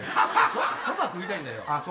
そば食いたいんだよ。